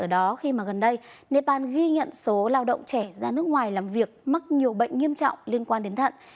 ở đó khi mà gần đây nepal ghi nhận số lao động trẻ ra nước ngoài làm việc mắc nhiều bệnh nghiêm trọng liên quan đến thận